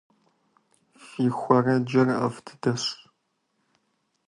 Фи хуэрэджэр ӏэфӏ дыдэщ.